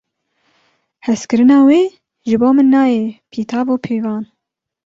Hezkirina wê ji bo min nayê pîtav û pîvan.